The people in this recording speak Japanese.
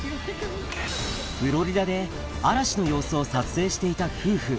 フロリダで嵐の様子を撮影していた夫婦。